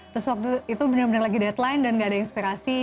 terus waktu itu benar benar lagi deadline dan gak ada inspirasi